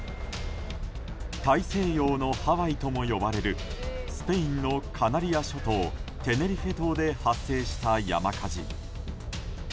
大西洋のハワイとも呼ばれるスペインのカナリア諸島テネリフェ島で発生した山火事。